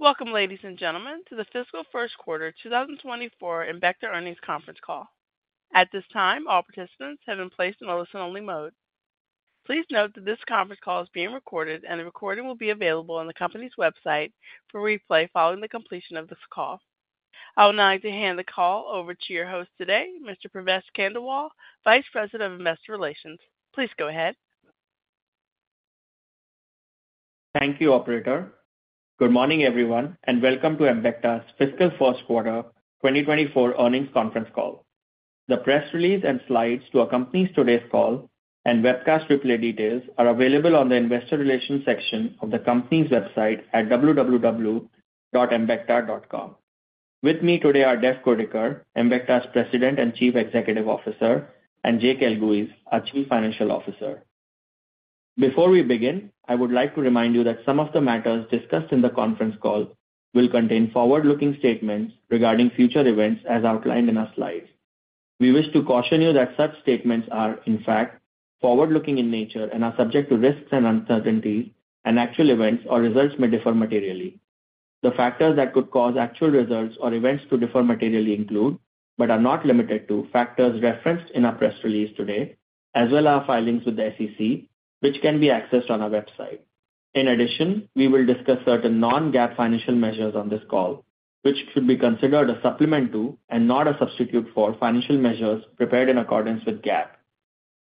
Welcome, ladies, and gentlemen, to the Fiscal First Quarter 2024 Embecta Earnings Conference Call. At this time, all participants have been placed in a listen-only mode. Please note that this conference call is being recorded and the recording will be available on the company's website for replay following the completion of this call. I would like to hand the call over to your host today, Mr. Pravesh Khandelwal, Vice President of Investor Relations. Please go ahead. Thank you, Operator. Good morning, everyone, and welcome to Embecta's Fiscal First Quarter 2024 Earnings Conference Call. The press release and slides to accompany today's call and webcast replay details are available on the Investor Relations section of the company's website at www.Embecta.com. With me today are Dev Kurdikar, Embecta's President and Chief Executive Officer, and Jake Elguicze, our Chief Financial Officer. Before we begin, I would like to remind you that some of the matters discussed in the conference call will contain forward-looking statements regarding future events as outlined in our slides. We wish to caution you that such statements are, in fact, forward-looking in nature and are subject to risks and uncertainties, and actual events or results may differ materially. The factors that could cause actual results or events to differ materially include, but are not limited to, factors referenced in our press release today, as well as our filings with the SEC, which can be accessed on our website. In addition, we will discuss certain non-GAAP financial measures on this call, which should be considered a supplement to and not a substitute for financial measures prepared in accordance with GAAP.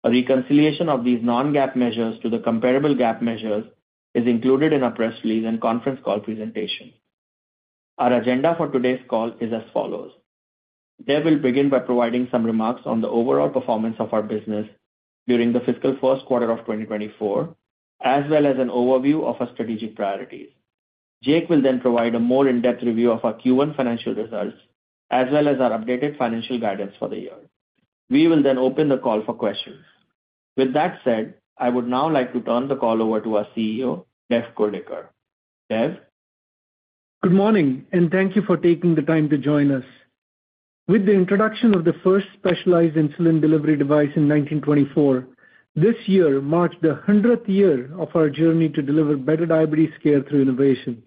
A reconciliation of these non-GAAP measures to the comparable GAAP measures is included in our press release and conference call presentation. Our agenda for today's call is as follows. Dev will begin by providing some remarks on the overall performance of our business during the fiscal first quarter of 2024, as well as an overview of our strategic priorities. Jake will then provide a more in-depth review of our Q1 financial results, as well as our updated financial guidance for the year. We will then open the call for questions. With that said, I would now like to turn the call over to our CEO, Dev Kurdikar. Dev? Good morning, and thank you for taking the time to join us. With the introduction of the first specialized insulin delivery device in 1924, this year marks the 100th year of our journey to deliver better diabetes care through innovation.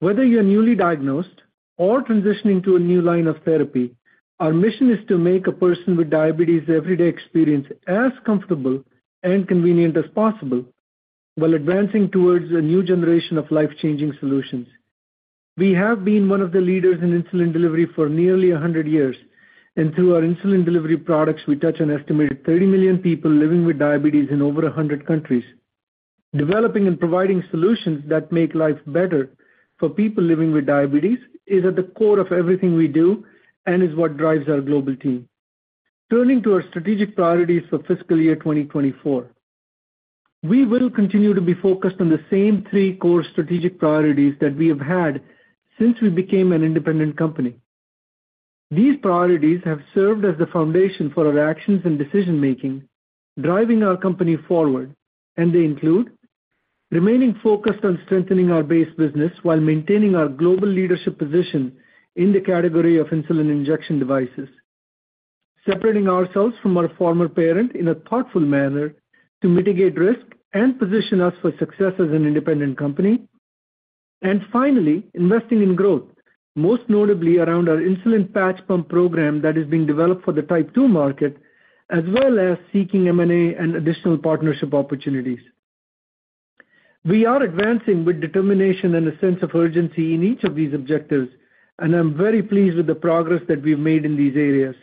Whether you're newly diagnosed or transitioning to a new line of therapy, our mission is to make a person with diabetes' everyday experience as comfortable and convenient as possible while advancing towards a new generation of life-changing solutions. We have been one of the leaders in insulin delivery for nearly 100 years, and through our insulin delivery products, we touch an estimated 30 million people living with diabetes in over 100 countries. Developing and providing solutions that make life better for people living with diabetes is at the core of everything we do and is what drives our global team. Turning to our strategic priorities for fiscal year 2024, we will continue to be focused on the same three core strategic priorities that we have had since we became an independent company. These priorities have served as the foundation for our actions and decision-making, driving our company forward, and they include remaining focused on strengthening our base business while maintaining our global leadership position in the category of insulin injection devices, separating ourselves from our former parent in a thoughtful manner to mitigate risk and position us for success as an independent company, and finally, investing in growth, most notably around our insulin patch pump program that is being developed for the type 2 market, as well as seeking M&A and additional partnership opportunities. We are advancing with determination and a sense of urgency in each of these objectives, and I'm very pleased with the progress that we've made in these areas.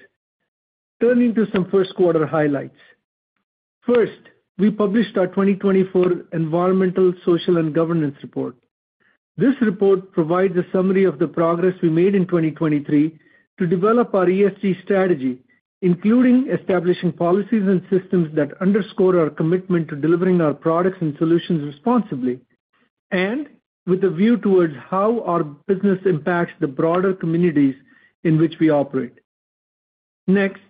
Turning to some first quarter highlights. First, we published our 2024 Environmental, Social, and Governance Report. This report provides a summary of the progress we made in 2023 to develop our ESG strategy, including establishing policies and systems that underscore our commitment to delivering our products and solutions responsibly, and with a view towards how our business impacts the broader communities in which we operate. Next,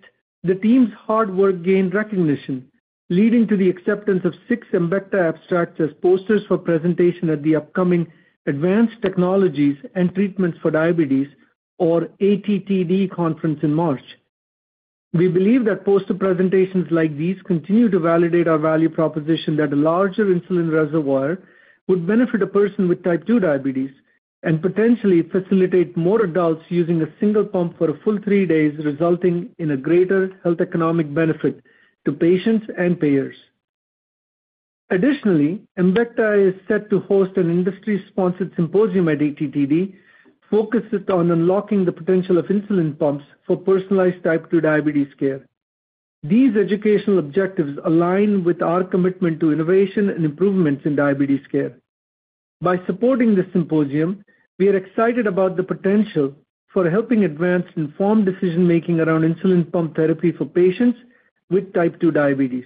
the team's hard work gained recognition, leading to the acceptance of six Embecta abstracts as posters for presentation at the upcoming Advanced Technologies and Treatments for Diabetes, or ATTD, conference in March. We believe that poster presentations like these continue to validate our value proposition that a larger insulin reservoir would benefit a person with type 2 diabetes and potentially facilitate more adults using a single pump for a full three days, resulting in a greater health economic benefit to patients and payers. Additionally, Embecta is set to host an industry-sponsored symposium at ATTD focused on unlocking the potential of insulin pumps for personalized type 2 diabetes care. These educational objectives align with our commitment to innovation and improvements in diabetes care. By supporting this symposium, we are excited about the potential for helping advance informed decision-making around insulin pump therapy for patients with type 2 diabetes.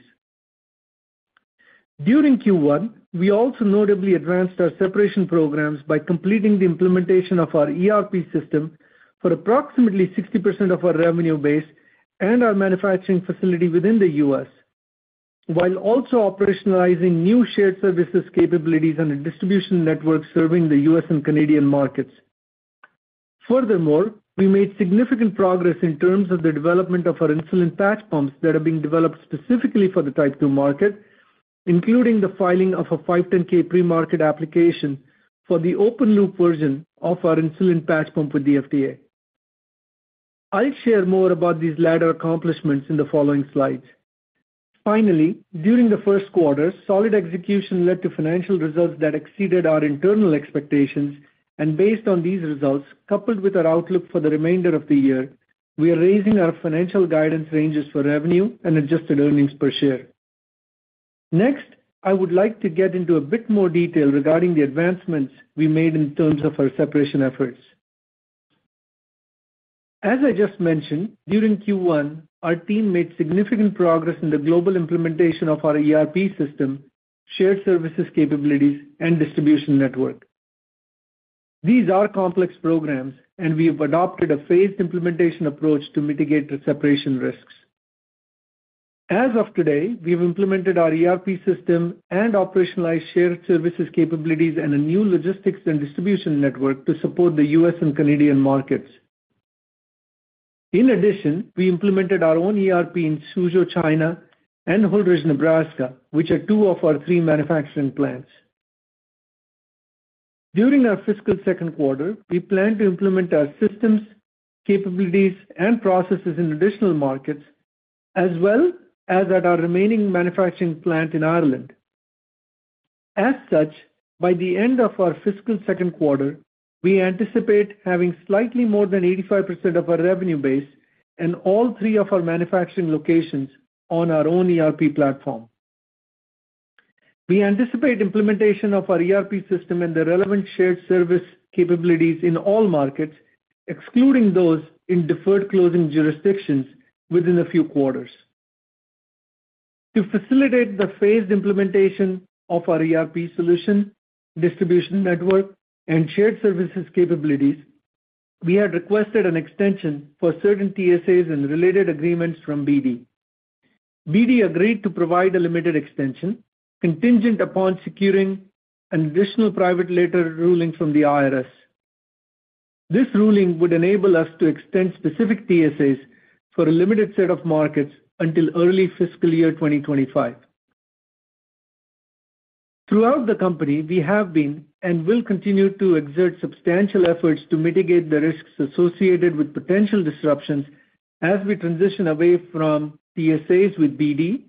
During Q1, we also notably advanced our separation programs by completing the implementation of our ERP system for approximately 60% of our revenue base and our manufacturing facility within the U.S., while also operationalizing new shared services capabilities and a distribution network serving the U.S. and Canadian markets. Furthermore, we made significant progress in terms of the development of our insulin patch pumps that are being developed specifically for the type 2 market, including the filing of a 510(k) pre-market application for the open-loop version of our insulin patch pump with the FDA. I'll share more about these latter accomplishments in the following slides. Finally, during the first quarter, solid execution led to financial results that exceeded our internal expectations, and based on these results, coupled with our outlook for the remainder of the year, we are raising our financial guidance ranges for revenue and adjusted earnings per share. Next, I would like to get into a bit more detail regarding the advancements we made in terms of our separation efforts. As I just mentioned, during Q1, our team made significant progress in the global implementation of our ERP system, shared services capabilities, and distribution network. These are complex programs, and we have adopted a phased implementation approach to mitigate the separation risks. As of today, we have implemented our ERP system and operationalized shared services capabilities and a new logistics and distribution network to support the U.S. and Canadian markets. In addition, we implemented our own ERP in Suzhou, China, and Holdrege, Nebraska, which are two of our three manufacturing plants. During our fiscal second quarter, we plan to implement our systems, capabilities, and processes in additional markets, as well as at our remaining manufacturing plant in Ireland. As such, by the end of our fiscal second quarter, we anticipate having slightly more than 85% of our revenue base in all three of our manufacturing locations on our own ERP platform. We anticipate implementation of our ERP system and the relevant shared service capabilities in all markets, excluding those in deferred closing jurisdictions, within a few quarters. To facilitate the phased implementation of our ERP solution, distribution network, and shared services capabilities, we had requested an extension for certain TSAs and related agreements from BD. BD agreed to provide a limited extension, contingent upon securing an additional private letter ruling from the IRS. This ruling would enable us to extend specific TSAs for a limited set of markets until early fiscal year 2025. Throughout the company, we have been and will continue to exert substantial efforts to mitigate the risks associated with potential disruptions as we transition away from TSAs with BD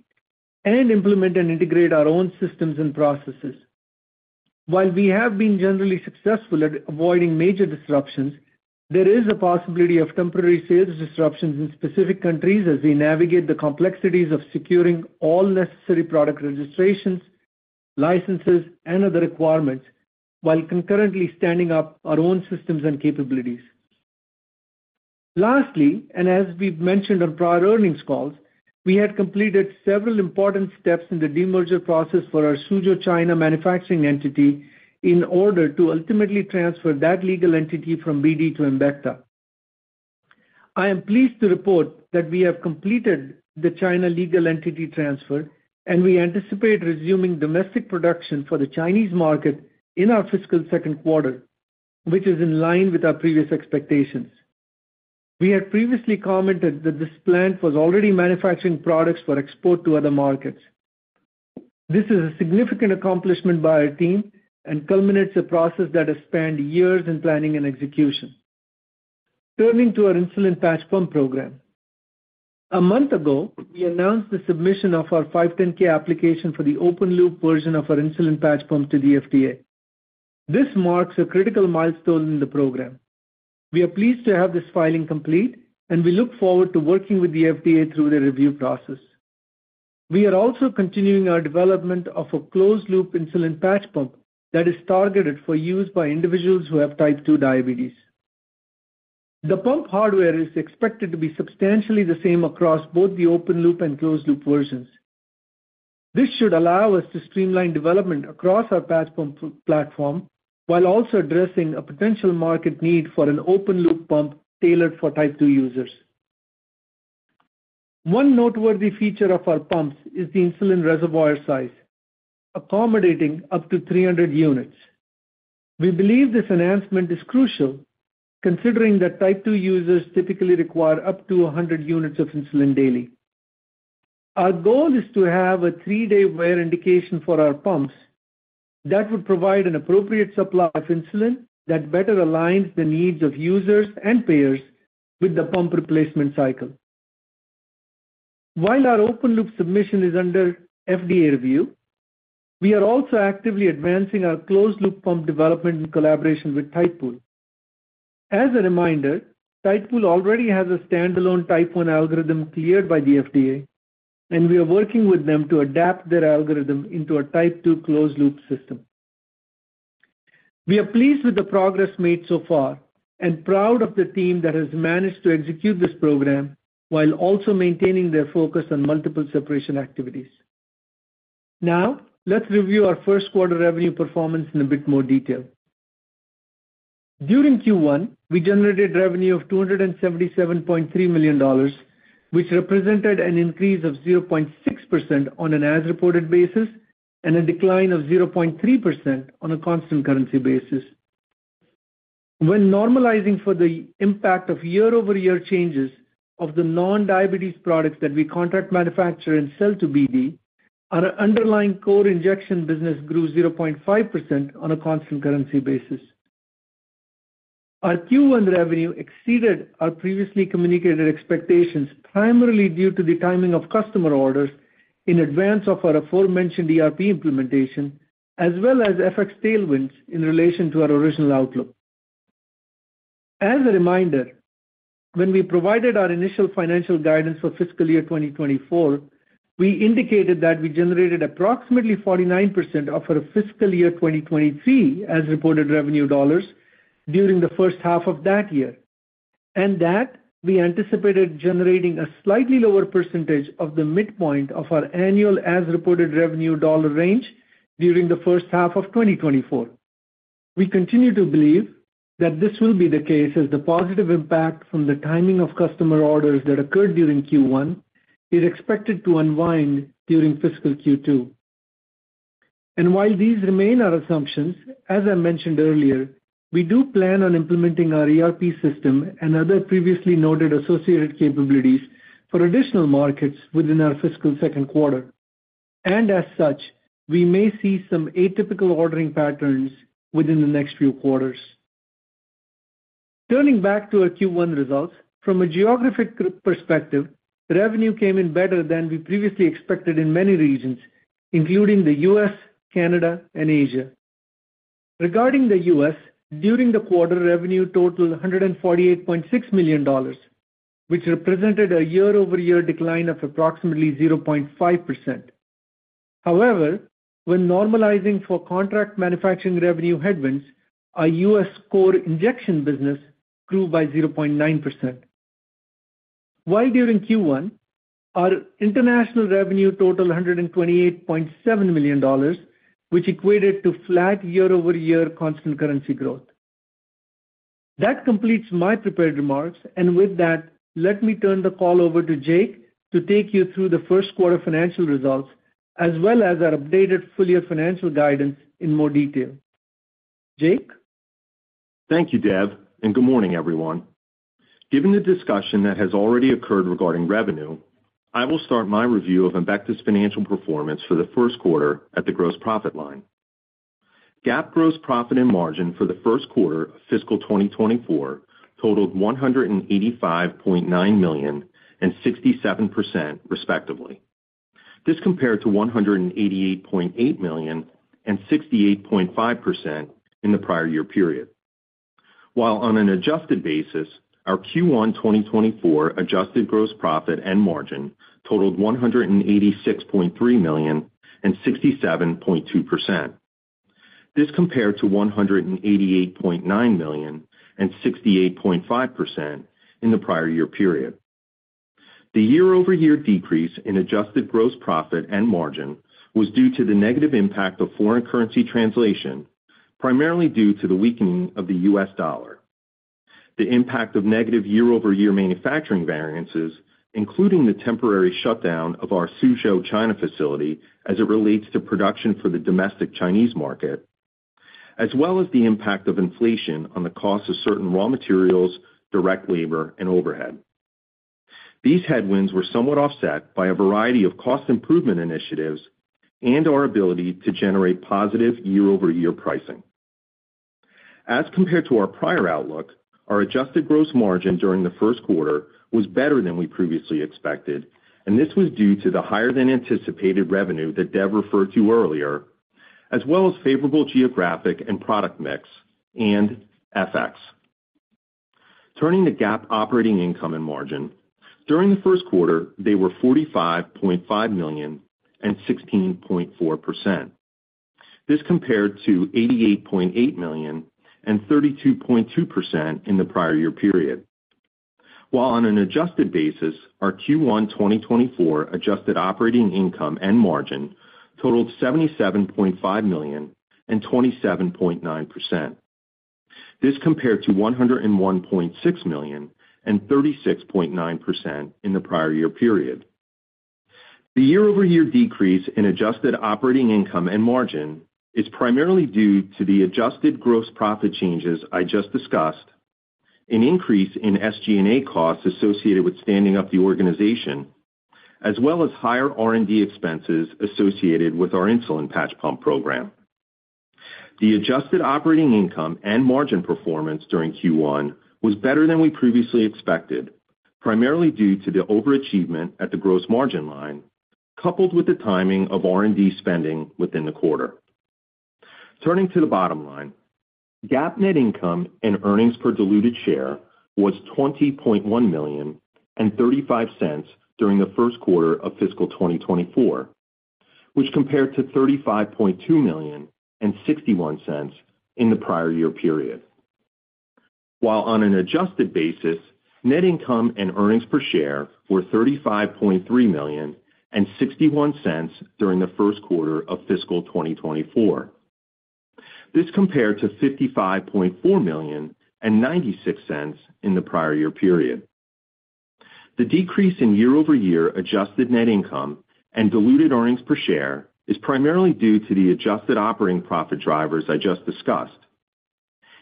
and implement and integrate our own systems and processes. While we have been generally successful at avoiding major disruptions, there is a possibility of temporary sales disruptions in specific countries as we navigate the complexities of securing all necessary product registrations, licenses, and other requirements while concurrently standing up our own systems and capabilities. Lastly, and as we've mentioned on prior earnings calls, we had completed several important steps in the demerger process for our Suzhou, China manufacturing entity in order to ultimately transfer that legal entity from BD to Embecta. I am pleased to report that we have completed the China legal entity transfer, and we anticipate resuming domestic production for the Chinese market in our fiscal second quarter, which is in line with our previous expectations. We had previously commented that this plant was already manufacturing products for export to other markets. This is a significant accomplishment by our team and culminates a process that has spanned years in planning and execution. Turning to our insulin patch pump program. A month ago, we announced the submission of our 510(k) application for the open-loop version of our insulin patch pump to the FDA. This marks a critical milestone in the program. We are pleased to have this filing complete, and we look forward to working with the FDA through the review process. We are also continuing our development of a closed-loop insulin patch pump that is targeted for use by individuals who have type 2 diabetes. The pump hardware is expected to be substantially the same across both the open-loop and closed-loop versions. This should allow us to streamline development across our patch pump platform while also addressing a potential market need for an open-loop pump tailored for type 2 users. One noteworthy feature of our pumps is the insulin reservoir size, accommodating up to 300 units. We believe this enhancement is crucial, considering that type 2 users typically require up to 100 units of insulin daily. Our goal is to have a three-day wear indication for our pumps that would provide an appropriate supply of insulin that better aligns the needs of users and payers with the pump replacement cycle. While our open-loop submission is under FDA review, we are also actively advancing our closed-loop pump development in collaboration with Tidepool. As a reminder, Tidepool already has a standalone type 1 algorithm cleared by the FDA, and we are working with them to adapt their algorithm into a type 2 closed-loop system. We are pleased with the progress made so far and proud of the team that has managed to execute this program while also maintaining their focus on multiple separation activities. Now, let's review our first quarter revenue performance in a bit more detail. During Q1, we generated revenue of $277.3 million, which represented an increase of 0.6% on an as-reported basis and a decline of 0.3% on a constant currency basis. When normalizing for the impact of year-over-year changes of the non-diabetes products that we contract manufacture and sell to BD, our underlying core injection business grew 0.5% on a constant currency basis. Our Q1 revenue exceeded our previously communicated expectations, primarily due to the timing of customer orders in advance of our aforementioned ERP implementation, as well as FX tailwinds in relation to our original outlook. As a reminder, when we provided our initial financial guidance for fiscal year 2024, we indicated that we generated approximately 49% of our fiscal year 2023 as reported revenue dollars during the first half of that year, and that we anticipated generating a slightly lower percentage of the midpoint of our annual as-reported revenue dollar range during the first half of 2024. We continue to believe that this will be the case as the positive impact from the timing of customer orders that occurred during Q1 is expected to unwind during fiscal Q2. While these remain our assumptions, as I mentioned earlier, we do plan on implementing our ERP system and other previously noted associated capabilities for additional markets within our fiscal second quarter. As such, we may see some atypical ordering patterns within the next few quarters. Turning back to our Q1 results, from a geographic perspective, revenue came in better than we previously expected in many regions, including the U.S., Canada, and Asia. Regarding the U.S., during the quarter, revenue totaled $148.6 million, which represented a year-over-year decline of approximately 0.5%. However, when normalizing for contract manufacturing revenue headwinds, our U.S. core injection business grew by 0.9%. While during Q1, our international revenue totaled $128.7 million, which equated to flat year-over-year constant currency growth. That completes my prepared remarks. With that, let me turn the call over to Jake to take you through the first quarter financial results as well as our updated full-year financial guidance in more detail. Jake? Thank you, Dev, and good morning, everyone. Given the discussion that has already occurred regarding revenue, I will start my review of Embecta's financial performance for the first quarter at the gross profit line. GAAP gross profit and margin for the first quarter of fiscal 2024 totaled $185.9 million and 67%, respectively. This compared to $188.8 million and 68.5% in the prior year period. While on an adjusted basis, our Q1 2024 adjusted gross profit and margin totaled $186.3 million and 67.2%. This compared to $188.9 million and 68.5% in the prior year period. The year-over-year decrease in adjusted gross profit and margin was due to the negative impact of foreign currency translation, primarily due to the weakening of the U.S. dollar. The impact of negative year-over-year manufacturing variances, including the temporary shutdown of our Suzhou, China facility as it relates to production for the domestic Chinese market, as well as the impact of inflation on the cost of certain raw materials, direct labor, and overhead. These headwinds were somewhat offset by a variety of cost improvement initiatives and our ability to generate positive year-over-year pricing. As compared to our prior outlook, our adjusted gross margin during the first quarter was better than we previously expected, and this was due to the higher-than-anticipated revenue that Dev referred to earlier, as well as favorable geographic and product mix and FX. Turning to GAAP operating income and margin, during the first quarter, they were $45.5 million and 16.4%. This compared to $88.8 million and 32.2% in the prior year period. While on an adjusted basis, our Q1 2024 adjusted operating income and margin totaled $77.5 million and 27.9%. This compared to $101.6 million and 36.9% in the prior year period. The year-over-year decrease in adjusted operating income and margin is primarily due to the adjusted gross profit changes I just discussed, an increase in SG&A costs associated with standing up the organization, as well as higher R&D expenses associated with our insulin patch pump program. The adjusted operating income and margin performance during Q1 was better than we previously expected, primarily due to the overachievement at the gross margin line coupled with the timing of R&D spending within the quarter. Turning to the bottom line, GAAP net income and earnings per diluted share was $20.1 million and $0.35 during the first quarter of fiscal 2024, which compared to $35.2 million and $0.61 in the prior year period. While on an adjusted basis, net income and earnings per share were $35.3 million and $0.61 during the first quarter of fiscal 2024. This compared to $55.4 million and $0.96 in the prior year period. The decrease in year-over-year adjusted net income and diluted earnings per share is primarily due to the adjusted operating profit drivers I just discussed,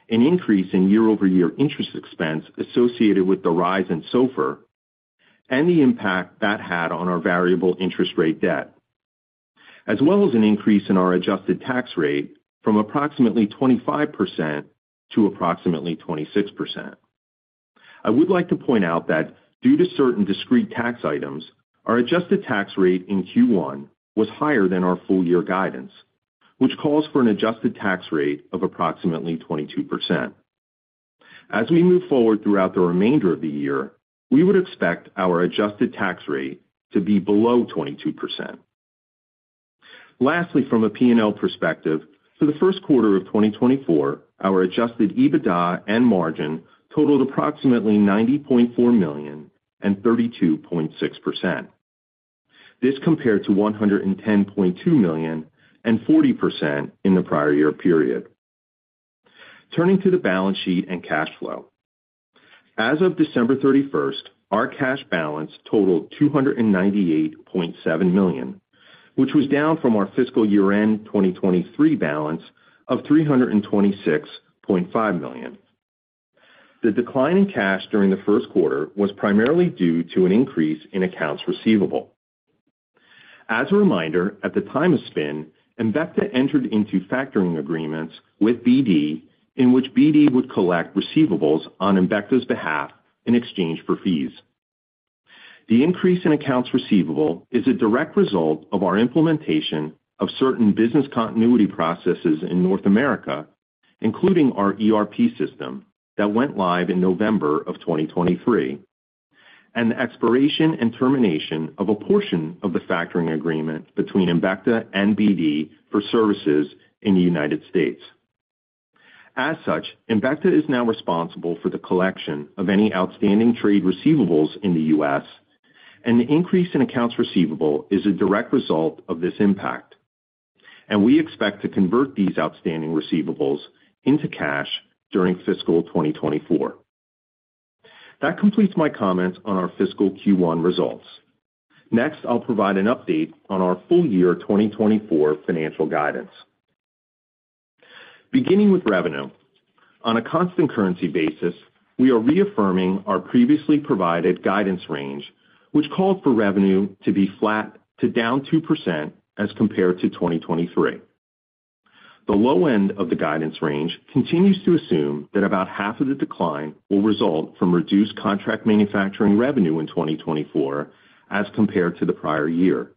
an increase in year-over-year interest expense associated with the rise in SOFR, and the impact that had on our variable interest rate debt, as well as an increase in our adjusted tax rate from approximately 25% to approximately 26%. I would like to point out that due to certain discrete tax items, our adjusted tax rate in Q1 was higher than our full-year guidance, which calls for an adjusted tax rate of approximately 22%. As we move forward throughout the remainder of the year, we would expect our adjusted tax rate to be below 22%. Lastly, from a P&L perspective, for the first quarter of 2024, our Adjusted EBITDA and margin totaled approximately $90.4 million and 32.6%. This compared to $110.2 million and 40% in the prior year period. Turning to the balance sheet and cash flow. As of December 31st, our cash balance totaled $298.7 million, which was down from our fiscal year-end 2023 balance of $326.5 million. The decline in cash during the first quarter was primarily due to an increase in accounts receivable. As a reminder, at the time of spin, Embecta entered into factoring agreements with BD, in which BD would collect receivables on Embecta's behalf in exchange for fees. The increase in accounts receivable is a direct result of our implementation of certain business continuity processes in North America, including our ERP system that went live in November of 2023, and the expiration and termination of a portion of the factoring agreement between Embecta and BD for services in the U.S. As such, Embecta is now responsible for the collection of any outstanding trade receivables in the U.S., and the increase in accounts receivable is a direct result of this impact, and we expect to convert these outstanding receivables into cash during fiscal 2024. That completes my comments on our fiscal Q1 results. Next, I'll provide an update on our full-year 2024 financial guidance. Beginning with revenue, on a constant currency basis, we are reaffirming our previously provided guidance range, which called for revenue to be flat to down 2% as compared to 2023. The low end of the guidance range continues to assume that about half of the decline will result from reduced contract manufacturing revenue in 2024 as compared to the prior year,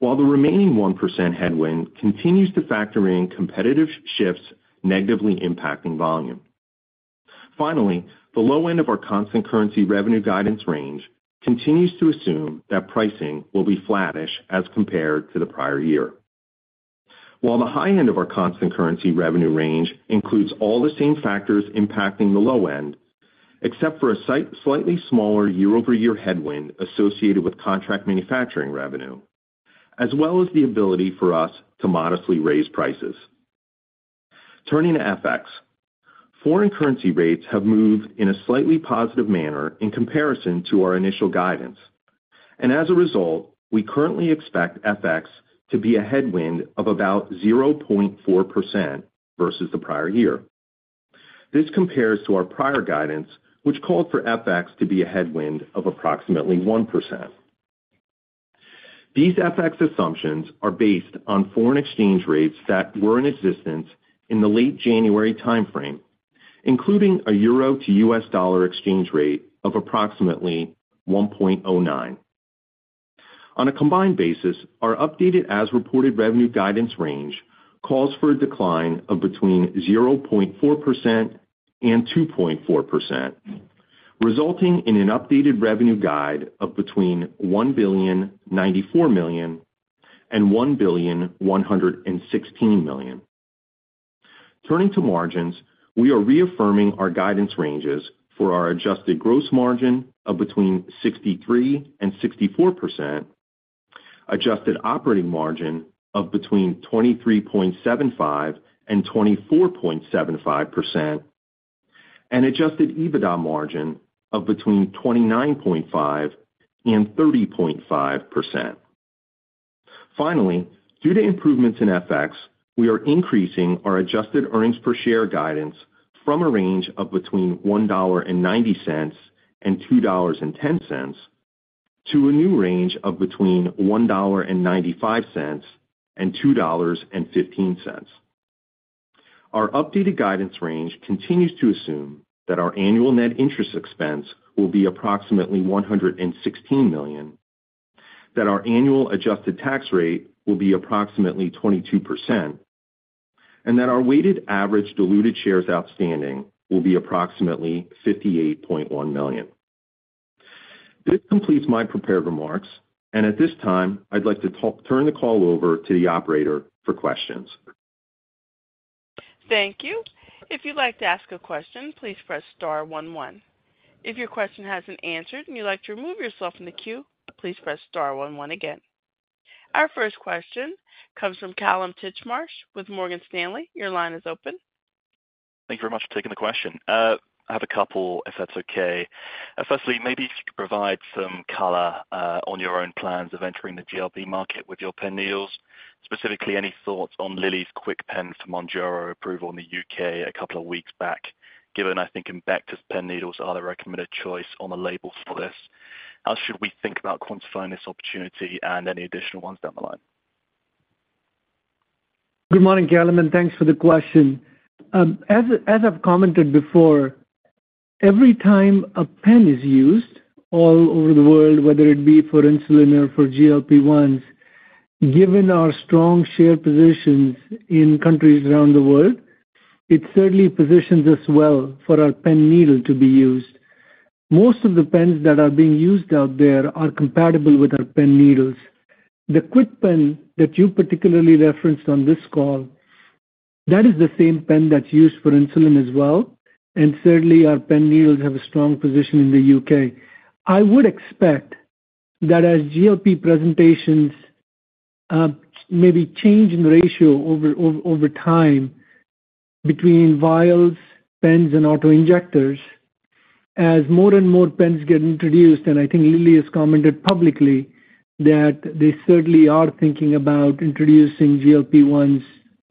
while the remaining 1% headwind continues to factor in competitive shifts negatively impacting volume. Finally, the low end of our constant currency revenue guidance range continues to assume that pricing will be flattish as compared to the prior year. While the high end of our constant currency revenue range includes all the same factors impacting the low end, except for a slightly smaller year-over-year headwind associated with contract manufacturing revenue, as well as the ability for us to modestly raise prices. Turning to FX, foreign currency rates have moved in a slightly positive manner in comparison to our initial guidance, and as a result, we currently expect FX to be a headwind of about 0.4% versus the prior year. This compares to our prior guidance, which called for FX to be a headwind of approximately 1%. These FX assumptions are based on foreign exchange rates that were in existence in the late January timeframe, including a euro to U.S. dollar exchange rate of approximately 1.09. On a combined basis, our updated as-reported revenue guidance range calls for a decline of between 0.4% and 2.4%, resulting in an updated revenue guide of between $1.094 billion and $1.116 billion. Turning to margins, we are reaffirming our guidance ranges for our adjusted gross margin of between 63% and 64%, adjusted operating margin of between 23.75% and 24.75%, and Adjusted EBITDA margin of between 29.5% and 30.5%. Finally, due to improvements in FX, we are increasing our adjusted earnings per share guidance from a range of between $1.90 and $2.10 to a new range of between $1.95 and $2.15. Our updated guidance range continues to assume that our annual net interest expense will be approximately $116 million, that our annual adjusted tax rate will be approximately 22%, and that our weighted average diluted shares outstanding will be approximately 58.1 million. This completes my prepared remarks. At this time, I'd like to turn the call over to the operator for questions. Thank you. If you'd like to ask a question, please press star one one. If your question hasn't answered and you'd like to remove yourself from the queue, please press star one one again. Our first question comes from Kallum Titchmarsh with Morgan Stanley. Your line is open. Thank you very much for taking the question. I have a couple, if that's okay. Firstly, maybe if you could provide some color on your own plans of entering the GLP-1 market with your pen needles, specifically any thoughts on Lilly's KwikPen for Mounjaro approval in the U.K. a couple of weeks back, given, I think, Embecta's pen needles are the recommended choice on the label for this. How should we think about quantifying this opportunity and any additional ones down the line? Good morning, Kallum. Thanks for the question. As I've commented before, every time a pen is used all over the world, whether it be for insulin or for GLP-1s, given our strong share positions in countries around the world, it certainly positions us well for our pen needle to be used. Most of the pens that are being used out there are compatible with our pen needles. The KwikPen that you particularly referenced on this call, that is the same pen that's used for insulin as well. And certainly, our pen needles have a strong position in the U.K. I would expect that as GLP-1 presentations maybe change in ratio over time between vials, pens, and autoinjectors, as more and more pens get introduced and I think Lilly has commented publicly that they certainly are thinking about introducing GLP-1s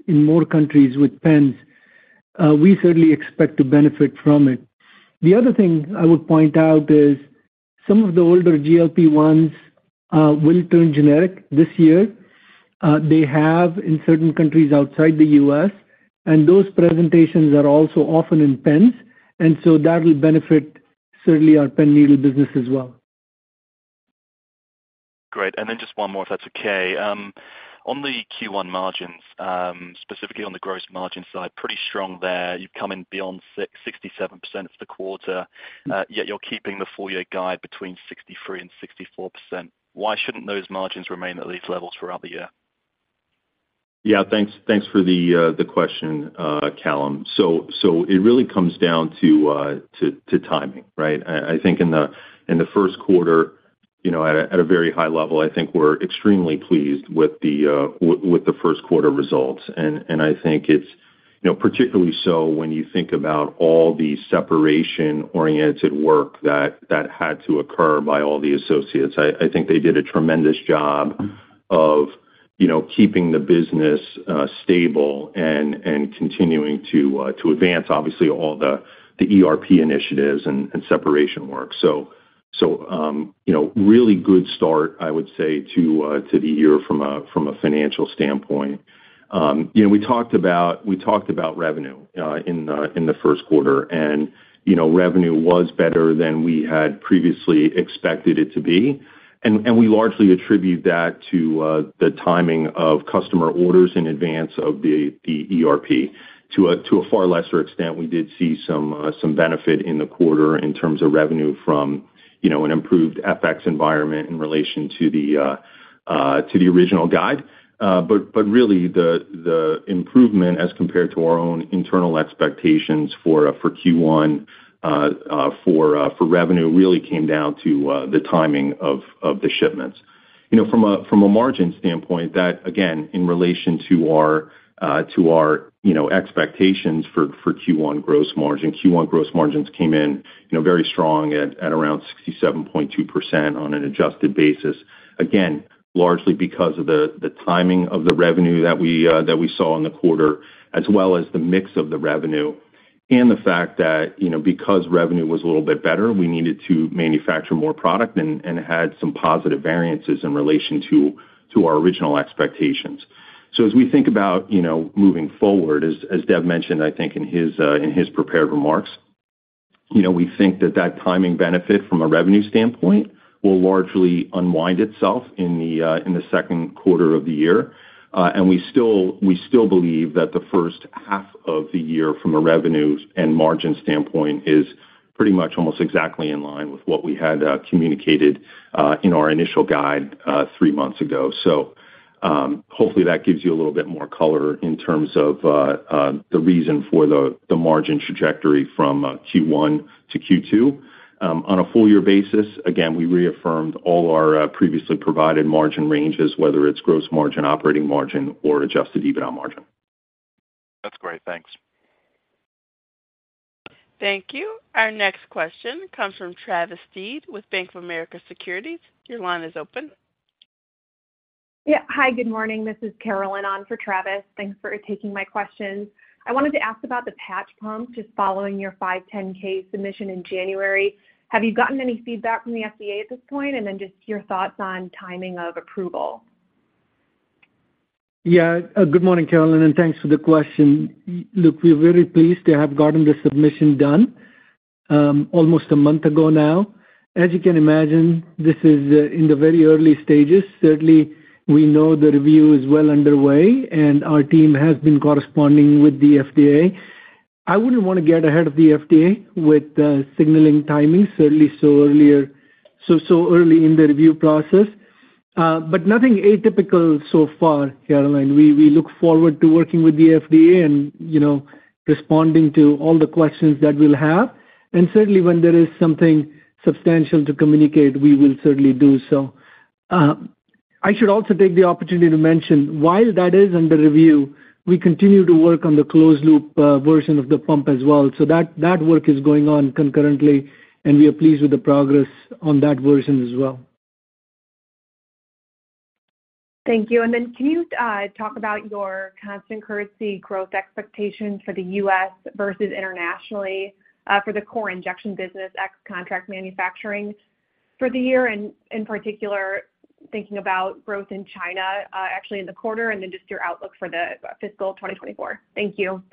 in more countries with pens, we certainly expect to benefit from it. The other thing I would point out is some of the older GLP-1s will turn generic this year. They have in certain countries outside the U.S. Those presentations are also often in pens. So that will benefit certainly our pen needle business as well. Great. And then just one more, if that's okay. On the Q1 margins, specifically on the gross margin side, pretty strong there. You've come in beyond 67% for the quarter, yet you're keeping the full-year guide between 63%-64%. Why shouldn't those margins remain at these levels throughout the year? Yeah. Thanks for the question, Kallum. So it really comes down to timing, right? I think in the first quarter, at a very high level, I think we're extremely pleased with the first quarter results. I think it's particularly so when you think about all the separation-oriented work that had to occur by all the associates. I think they did a tremendous job of keeping the business stable and continuing to advance, obviously, all the ERP initiatives and separation work. Really good start, I would say, to the year from a financial standpoint. We talked about revenue in the first quarter. Revenue was better than we had previously expected it to be. We largely attribute that to the timing of customer orders in advance of the ERP. To a far lesser extent, we did see some benefit in the quarter in terms of revenue from an improved FX environment in relation to the original guide. But really, the improvement as compared to our own internal expectations for Q1 for revenue really came down to the timing of the shipments. From a margin standpoint, that, again, in relation to our expectations for Q1 gross margin, Q1 gross margins came in very strong at around 67.2% on an adjusted basis, again, largely because of the timing of the revenue that we saw in the quarter, as well as the mix of the revenue and the fact that because revenue was a little bit better, we needed to manufacture more product and had some positive variances in relation to our original expectations. So as we think about moving forward, as Dev mentioned, I think, in his prepared remarks, we think that that timing benefit from a revenue standpoint will largely unwind itself in the second quarter of the year. And we still believe that the first half of the year from a revenue and margin standpoint is pretty much almost exactly in line with what we had communicated in our initial guide three months ago. So hopefully, that gives you a little bit more color in terms of the reason for the margin trajectory from Q1 to Q2. On a full-year basis, again, we reaffirmed all our previously provided margin ranges, whether it's gross margin, operating margin, or Adjusted EBITDA margin. That's great. Thanks. Thank you. Our next question comes from Travis Steed with Bank of America Securities. Your line is open. Yeah. Hi. Good morning. This is Carolyn on for Travis. Thanks for taking my question. I wanted to ask about the Patch Pump just following your 510(k) submission in January. Have you gotten any feedback from the FDA at this point? And then just your thoughts on timing of approval. Yeah. Good morning, Carolyn. Thanks for the question. Look, we're very pleased to have gotten the submission done almost a month ago now. As you can imagine, this is in the very early stages. Certainly, we know the review is well underway, and our team has been corresponding with the FDA. I wouldn't want to get ahead of the FDA with signaling timing, certainly so early in the review process. Nothing atypical so far, Carolyn. We look forward to working with the FDA and responding to all the questions that we'll have. Certainly, when there is something substantial to communicate, we will certainly do so. I should also take the opportunity to mention, while that is under review, we continue to work on the closed-loop version of the pump as well. That work is going on concurrently, and we are pleased with the progress on that version as well. Thank you. And then can you talk about your Constant Currency growth expectations for the U.S. versus internationally for the core injection business, ex-contract manufacturing for the year, in particular thinking about growth in China, actually in the quarter, and then just your outlook for the fiscal 2024? Thank you.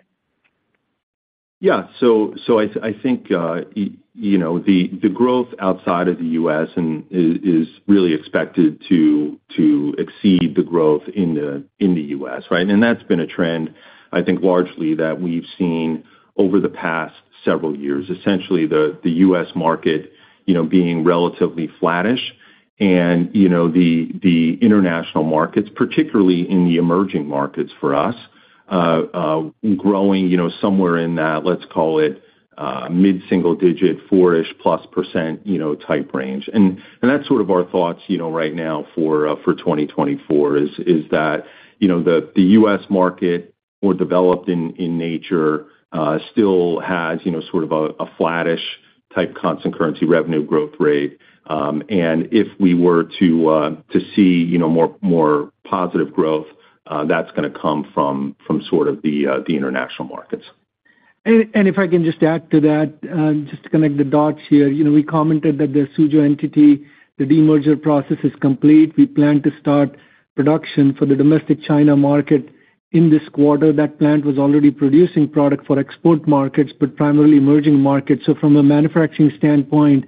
Yeah. So I think the growth outside of the U.S. is really expected to exceed the growth in the U.S., right? And that's been a trend, I think, largely that we've seen over the past several years, essentially the U.S. market being relatively flattish and the international markets, particularly in the emerging markets for us, growing somewhere in that, let's call it, mid-single-digit, 4-ish-%+ type range. And that's sort of our thoughts right now for 2024, is that the U.S. market, more developed in nature, still has sort of a flattish type constant currency revenue growth rate. And if we were to see more positive growth, that's going to come from sort of the international markets. And if I can just add to that, just to connect the dots here, we commented that the Suzhou entity, the demerger process is complete. We plan to start production for the domestic China market in this quarter. That plant was already producing product for export markets, but primarily emerging markets. So from a manufacturing standpoint,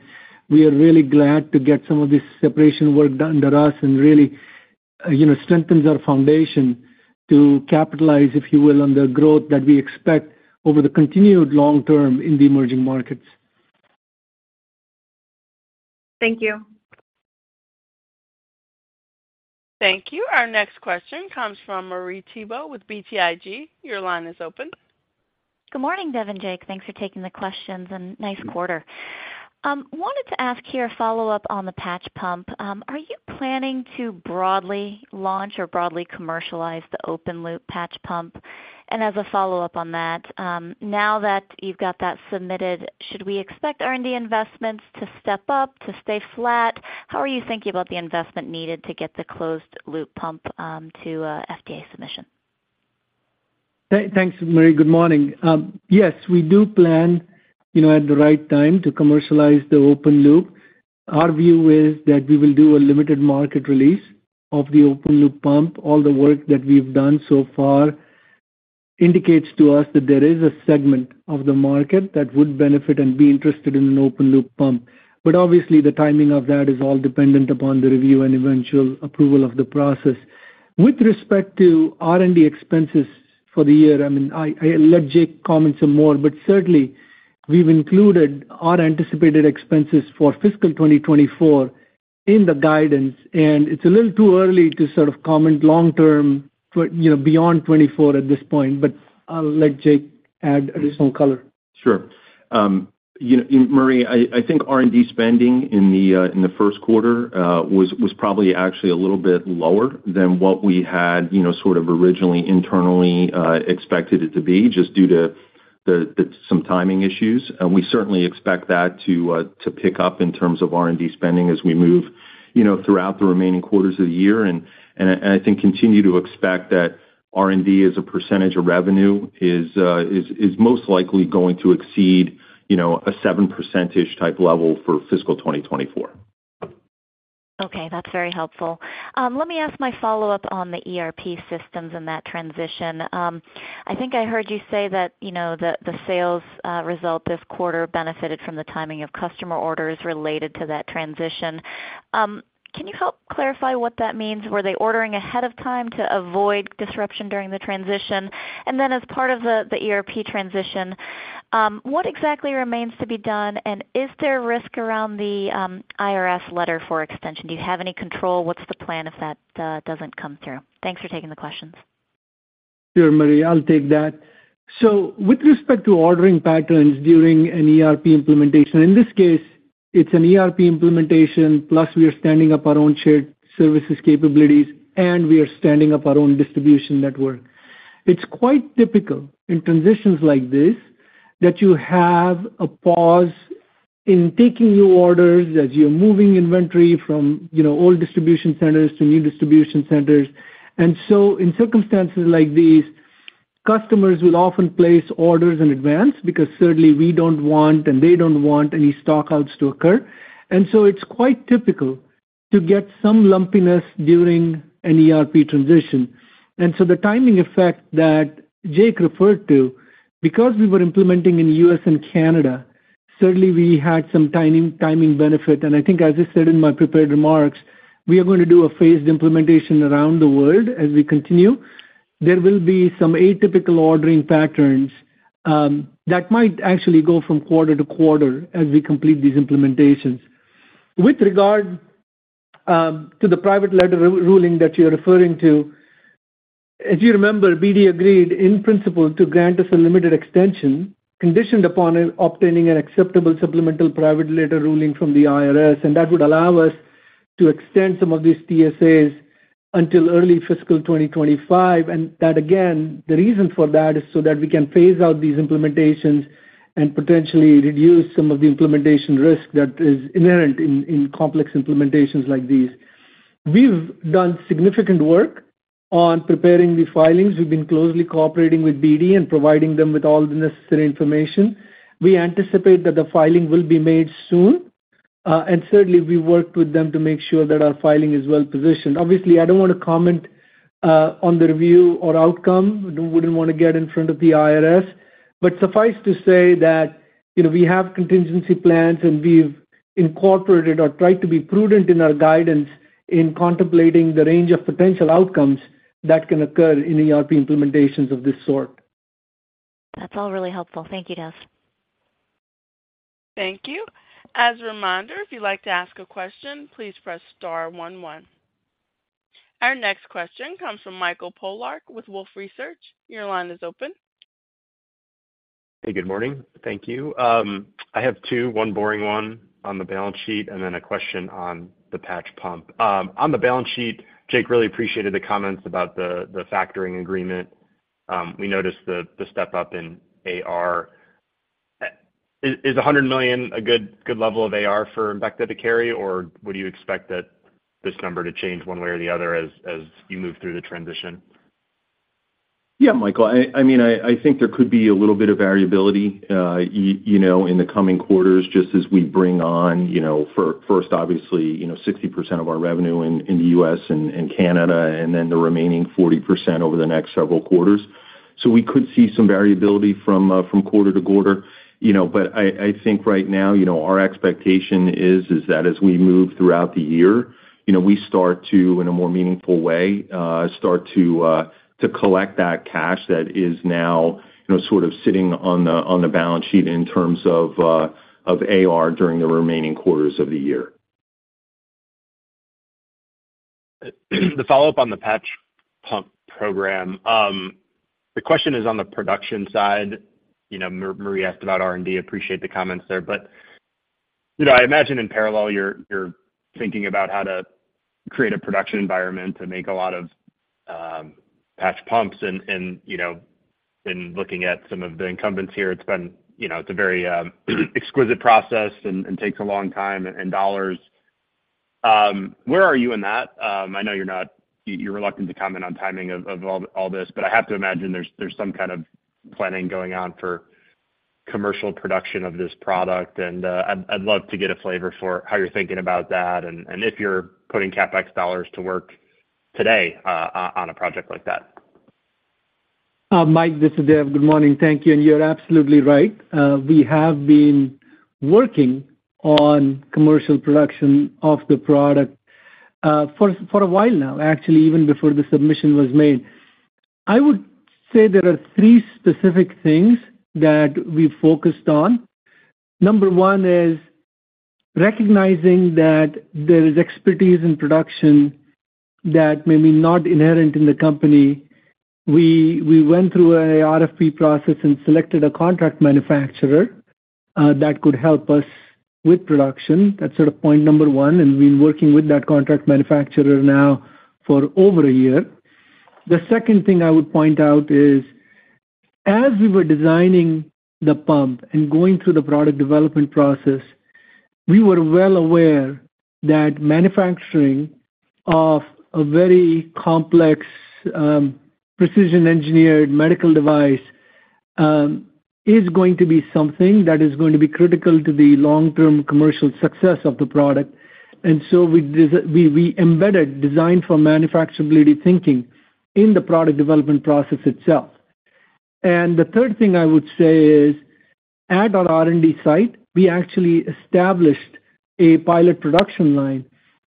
we are really glad to get some of this separation work done under us and really strengthens our foundation to capitalize, if you will, on the growth that we expect over the continued long term in the emerging markets. Thank you. Thank you. Our next question comes from Marie Thibault with BTIG. Your line is open. Good morning, Dev and Jake. Thanks for taking the questions and nice quarter. Wanted to ask here a follow-up on the Patch Pump. Are you planning to broadly launch or broadly commercialize the open-loop Patch Pump? And as a follow-up on that, now that you've got that submitted, should we expect R&D investments to step up, to stay flat? How are you thinking about the investment needed to get the closed-loop pump to FDA submission? Thanks, Marie. Good morning. Yes, we do plan at the right time to commercialize the open-loop. Our view is that we will do a limited market release of the open-loop pump. All the work that we've done so far indicates to us that there is a segment of the market that would benefit and be interested in an open-loop pump. But obviously, the timing of that is all dependent upon the review and eventual approval of the process. With respect to R&D expenses for the year, I mean, I'll let Jake comment some more. But certainly, we've included our anticipated expenses for fiscal 2024 in the guidance. And it's a little too early to sort of comment long-term beyond 2024 at this point. But I'll let Jake add additional color. Sure. Marie, I think R&D spending in the first quarter was probably actually a little bit lower than what we had sort of originally internally expected it to be just due to some timing issues. We certainly expect that to pick up in terms of R&D spending as we move throughout the remaining quarters of the year. And I think continue to expect that R&D as a percentage of revenue is most likely going to exceed a 7%-ish type level for fiscal 2024. Okay. That's very helpful. Let me ask my follow-up on the ERP systems and that transition. I think I heard you say that the sales result this quarter benefited from the timing of customer orders related to that transition. Can you help clarify what that means? Were they ordering ahead of time to avoid disruption during the transition? And then as part of the ERP transition, what exactly remains to be done? And is there risk around the IRS letter for extension? Do you have any control? What's the plan if that doesn't come through? Thanks for taking the questions. Sure, Marie. I'll take that. So with respect to ordering patterns during an ERP implementation, in this case, it's an ERP implementation, plus we are standing up our own shared services capabilities, and we are standing up our own distribution network. It's quite typical in transitions like this that you have a pause in taking new orders as you're moving inventory from old distribution centers to new distribution centers. And so in circumstances like these, customers will often place orders in advance because certainly, we don't want and they don't want any stockouts to occur. And so it's quite typical to get some lumpiness during an ERP transition. And so the timing effect that Jake referred to, because we were implementing in the U.S. and Canada, certainly, we had some timing benefit. And I think, as I said in my prepared remarks, we are going to do a phased implementation around the world as we continue. There will be some atypical ordering patterns that might actually go from quarter-to-quarter as we complete these implementations. With regard to the private letter ruling that you're referring to, as you remember, BD agreed in principle to grant us a limited extension conditioned upon obtaining an acceptable supplemental private letter ruling from the IRS. And that would allow us to extend some of these TSAs until early fiscal 2025. And that, again, the reason for that is so that we can phase out these implementations and potentially reduce some of the implementation risk that is inherent in complex implementations like these. We've done significant work on preparing the filings. We've been closely cooperating with BD and providing them with all the necessary information. We anticipate that the filing will be made soon. Certainly, we worked with them to make sure that our filing is well positioned. Obviously, I don't want to comment on the review or outcome. I wouldn't want to get in front of the IRS. Suffice to say that we have contingency plans, and we've incorporated or tried to be prudent in our guidance in contemplating the range of potential outcomes that can occur in ERP implementations of this sort. That's all really helpful. Thank you, Dev. Thank you. As a reminder, if you'd like to ask a question, please press star one one. Our next question comes from Michael Polark with Wolfe Research. Your line is open. Hey, good morning. Thank you. I have two, one boring one on the balance sheet, and then a question on the patch pump. On the balance sheet, Jake really appreciated the comments about the factoring agreement. We noticed the step up in AR. Is $100 million a good level of AR for Embecta to carry, or would you expect that this number to change one way or the other as you move through the transition? Yeah, Michael. I mean, I think there could be a little bit of variability in the coming quarters just as we bring on. First, obviously, 60% of our revenue in the U.S. and Canada, and then the remaining 40% over the next several quarters. So we could see some variability from quarter-to-quarter. But I think right now, our expectation is that as we move throughout the year, we start to, in a more meaningful way, start to collect that cash that is now sort of sitting on the balance sheet in terms of AR during the remaining quarters of the year. The follow-up on the patch pump program, the question is on the production side. Marie asked about R&D. I appreciate the comments there. But I imagine in parallel, you're thinking about how to create a production environment to make a lot of patch pumps. And looking at some of the incumbents here, it's a very exquisite process and takes a long time and dollars. Where are you in that? I know you're reluctant to comment on timing of all this, but I have to imagine there's some kind of planning going on for commercial production of this product. And I'd love to get a flavor for how you're thinking about that and if you're putting CapEx dollars to work today on a project like that. Mike, this is Dev. Good morning. Thank you. You're absolutely right. We have been working on commercial production of the product for a while now, actually, even before the submission was made. I would say there are three specific things that we focused on. Number one is recognizing that there is expertise in production that may be not inherent in the company. We went through an RFP process and selected a contract manufacturer that could help us with production. That's sort of point number one. We've been working with that contract manufacturer now for over a year. The second thing I would point out is, as we were designing the pump and going through the product development process, we were well aware that manufacturing of a very complex precision-engineered medical device is going to be something that is going to be critical to the long-term commercial success of the product. And so we embedded design for manufacturability thinking in the product development process itself. And the third thing I would say is, at our R&D site, we actually established a pilot production line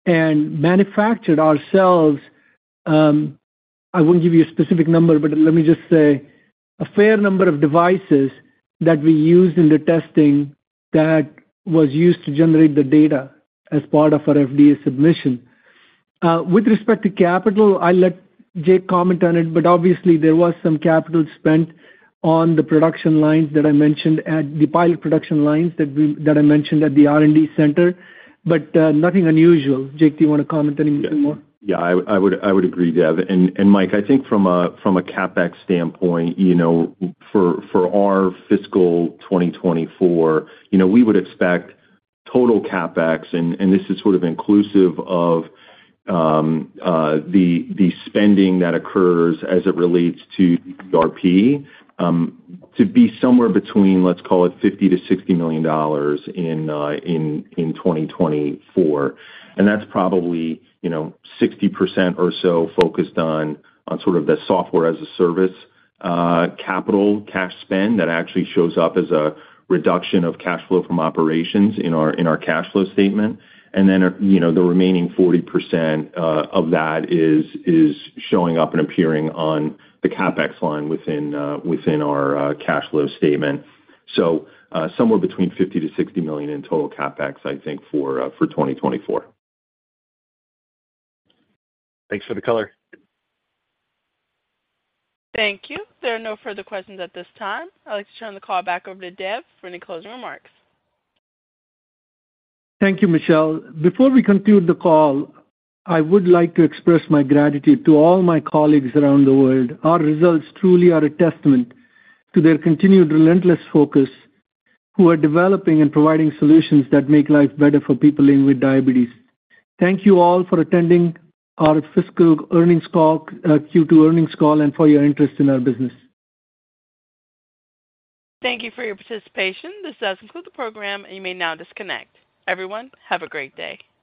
and manufactured ourselves, I won't give you a specific number, but let me just say a fair number of devices that we used in the testing that was used to generate the data as part of our FDA submission. With respect to capital, I'll let Jake comment on it. But obviously, there was some capital spent on the production lines that I mentioned, the pilot production lines that I mentioned at the R&D center, but nothing unusual. Jake, do you want to comment anything more? Yeah. I would agree, Dev. And Mike, I think from a CapEx standpoint, for our fiscal 2024, we would expect total CapEx - and this is sort of inclusive of the spending that occurs as it relates to ERP - to be somewhere between, let's call it, $50 million-$60 million in 2024. And that's probably 60% or so focused on sort of the software-as-a-service capital, cash spend that actually shows up as a reduction of cash flow from operations in our cash flow statement. And then the remaining 40% of that is showing up and appearing on the CapEx line within our cash flow statement. So somewhere between $50 million-$60 million in total CapEx, I think, for 2024. Thanks for the color. Thank you. There are no further questions at this time. I'd like to turn the call back over to Dev for any closing remarks. Thank you, Michelle. Before we conclude the call, I would like to express my gratitude to all my colleagues around the world. Our results truly are a testament to their continued relentless focus, who are developing and providing solutions that make life better for people living with diabetes. Thank you all for attending our fiscal earnings call, Q2 earnings call, and for your interest in our business. Thank you for your participation. This does conclude the program, and you may now disconnect. Everyone, have a great day.